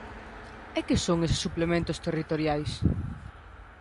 ¿E que son eses suplementos territoriais?